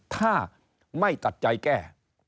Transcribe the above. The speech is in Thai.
ถ้าไม่ตัดใจแก้